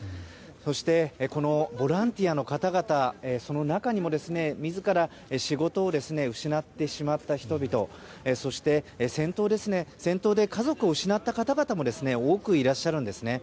そして、このボランティアの方々その中にも仕事を失ってしまった人々そして、戦闘で家族を失った方々も多くいらっしゃるんです。